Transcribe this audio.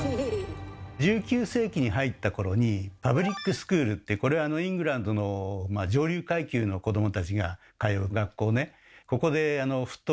１９世紀に入った頃にパブリックスクールってこれはあのイングランドの上流階級の子どもたちが通う学校ね。